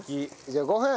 じゃあ５分！